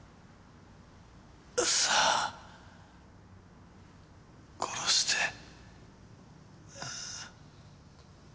さあ殺して。